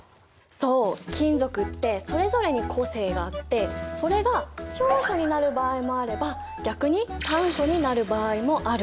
そう金属ってそれぞれに個性があってそれが長所になる場合もあれば逆に短所になる場合もある。